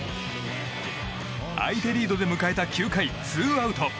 相手リードで迎えた９回ツーアウト。